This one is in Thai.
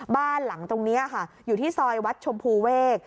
บ้านหลังตรงนี้ค่ะอยู่ที่ซอยวัดชมพูเวก